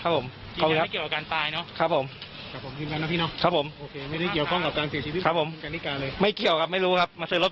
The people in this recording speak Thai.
ไม่เกี่ยวกับการตายเนาะ